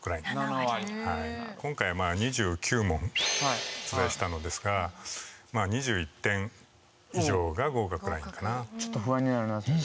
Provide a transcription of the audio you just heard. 今回は２９問出題したのですが２１点以上が合格ラインかな。